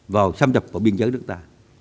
vào xâm nhập vào biên giới nước ta